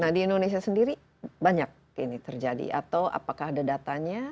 nah di indonesia sendiri banyak ini terjadi atau apakah ada datanya